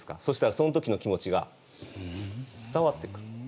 そしたらその時の気持ちが伝わってくる。